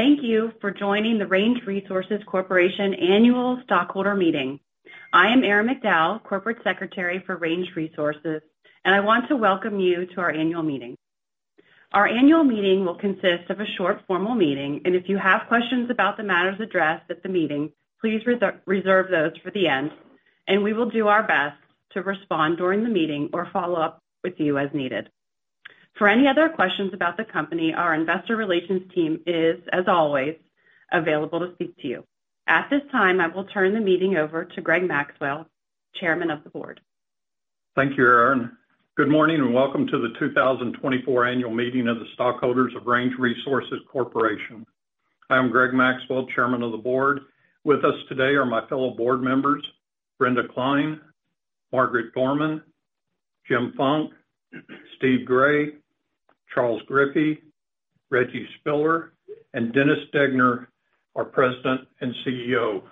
Thank you for joining the Range Resources Corporation annual stockholder meeting. I am Erin McDowell, Corporate Secretary for Range Resources, and I want to welcome you to our annual meeting. Our annual meeting will consist of a short formal meeting, and if you have questions about the matters addressed at the meeting, please reserve those for the end, and we will do our best to respond during the meeting or follow up with you as needed. For any other questions about the company, our investor relations team is, as always, available to speak to you. At this time, I will turn the meeting over to Greg Maxwell, Chairman of the Board. Thank you, Erin. Good morning and welcome to the 2024 annual meeting of the stockholders of Range Resources Corporation. I am Greg Maxwell, Chairman of the Board. With us today are my fellow board members: Brenda Cline, Margaret Dorman, Jim Funk, Steve Gray, Charles Griffie, Reginal Spiller, and Dennis Degner, our President and CEO.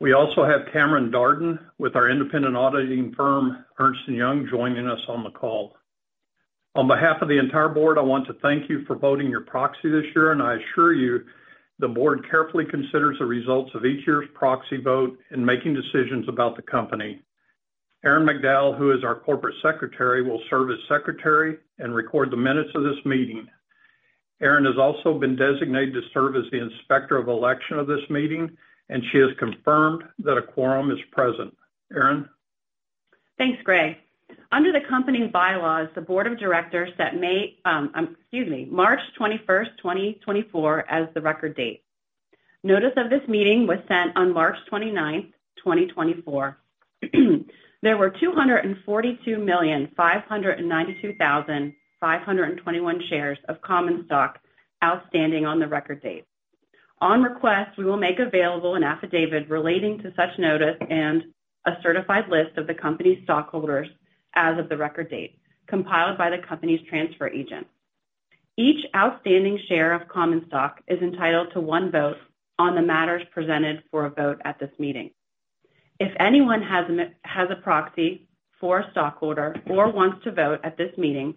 We also have Cameron Darden with our independent auditing firm, Ernst & Young, joining us on the call. On behalf of the entire board, I want to thank you for voting your proxy this year, and I assure you the board carefully considers the results of each year's proxy vote in making decisions about the company. Erin McDowell, who is our Corporate Secretary, will serve as Secretary and record the minutes of this meeting. Erin has also been designated to serve as the Inspector of Election of this meeting, and she has confirmed that a quorum is present. Erin? Thanks, Greg. Under the company's bylaws, the Board of Directors set May, excuse me, March 21st, 2024 as the record date. Notice of this meeting was sent on March 29th, 2024. There were 242,592,521 shares of common stock outstanding on the record date. On request, we will make available an affidavit relating to such notice and a certified list of the company's stockholders as of the record date, compiled by the company's transfer agent. Each outstanding share of common stock is entitled to one vote on the matters presented for a vote at this meeting. If anyone has a proxy for a stockholder or wants to vote at this meeting,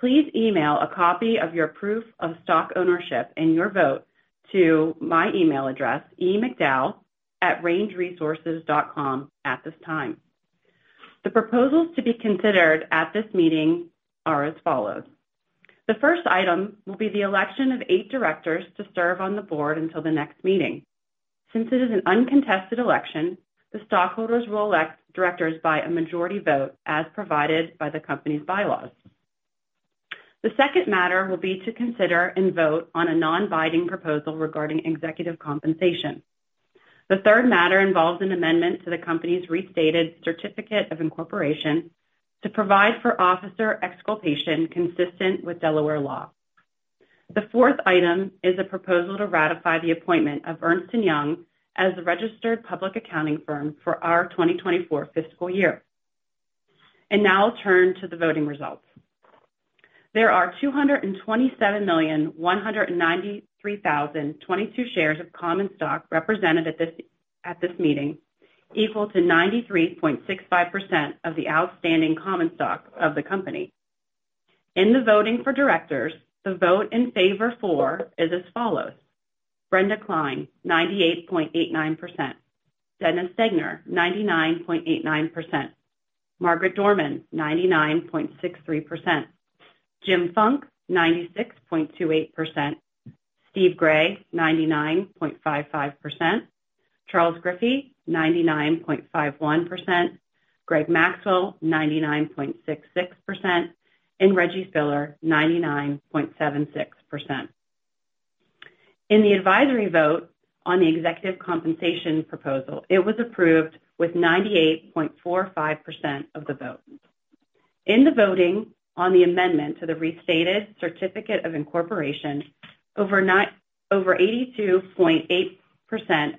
please email a copy of your proof of stock ownership and your vote to my email address, emcdowell@rangeresources.com, at this time. The proposals to be considered at this meeting are as follows. The first item will be the election of eight directors to serve on the board until the next meeting. Since it is an uncontested election, the stockholders will elect directors by a majority vote as provided by the company's bylaws. The second matter will be to consider and vote on a non-binding proposal regarding executive compensation. The third matter involves an amendment to the company's Restated Certificate of Incorporation to provide for officer exculpation consistent with Delaware law. The fourth item is a proposal to ratify the appointment of Ernst & Young as the registered public accounting firm for our 2024 fiscal year. Now I'll turn to the voting results. There are 227,193,022 shares of common stock represented at this meeting, equal to 93.65% of the outstanding common stock of the company. In the voting for directors, the vote in favor for is as follows: Brenda Cline, 98.89%; Dennis Degner, 99.89%; Margaret Dorman, 99.63%; Jim Funk, 96.28%; Steve Gray, 99.55%; Charles Griffie, 99.51%; Greg Maxwell, 99.66%; and Reggie Spiller, 99.76%. In the advisory vote on the executive compensation proposal, it was approved with 98.45% of the vote. In the voting on the amendment to the Restated Certificate of Incorporation, over 82.8%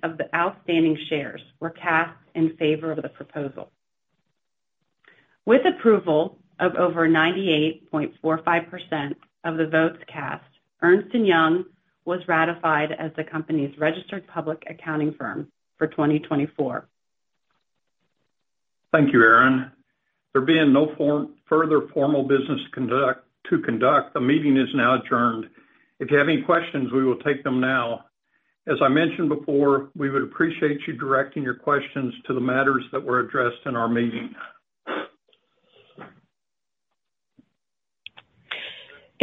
of the outstanding shares were cast in favor of the proposal. With approval of over 98.45% of the votes cast, Ernst & Young was ratified as the company's registered public accounting firm for 2024. Thank you, Erin. There being no further formal business to conduct, the meeting is now adjourned. If you have any questions, we will take them now. As I mentioned before, we would appreciate you directing your questions to the matters that were addressed in our meeting.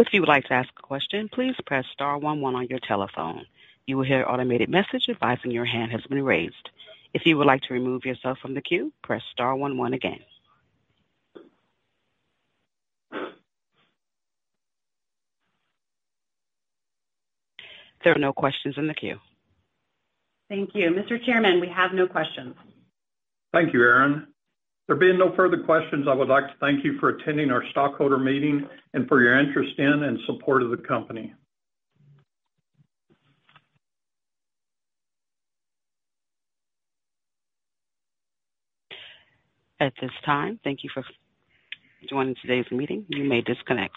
If you would like to ask a question, please press star 11 on your telephone. You will hear an automated message advising your hand has been raised. If you would like to remove yourself from the queue, press star 11 again. There are no questions in the queue. Thank you. Mr. Chairman, we have no questions. Thank you, Erin. There being no further questions, I would like to thank you for attending our stockholder meeting and for your interest in and support of the company. At this time, thank you for joining today's meeting. You may disconnect.